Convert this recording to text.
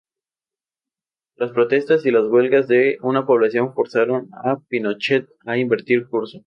Las protestas y las huelgas de una población forzaron a Pinochet a invertir curso.